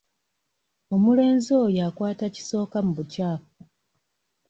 Omulenzi oyo akwata kisooka mu bukyafu.